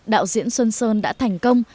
đạo diễn xuân sơn đã thành công